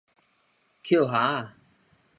抾箬仔